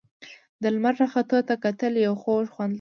د لمر راختو ته کتل یو خوږ خوند لري.